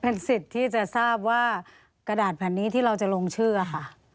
เป็นสิทธิ์ที่จะทราบว่ากระดาษแผ่นนี้ที่เราจะลงชื่อค่ะ